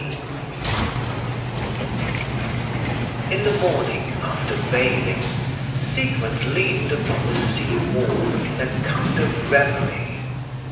XIII In the morning, after bathing, Siegmund leaned upon the seawall in a kind of reverie.